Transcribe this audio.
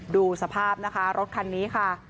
ดูสภาพนะคะรถคันนี้ค่ะ